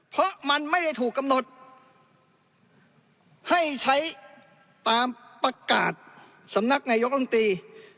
เพราะมันไม่ได้ถูกกำหนดให้ใช้ตามประกาศสำนักนายกรรมตรี